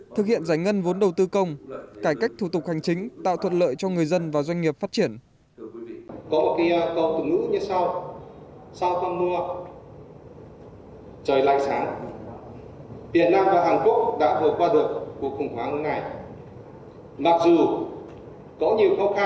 thực hiện giải ngân vốn đầu tư công cải cách thủ tục hành chính tạo thuận lợi cho người dân và doanh nghiệp phát triển